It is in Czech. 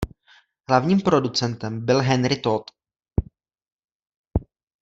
Hlavním producentem byl Henry Tóth.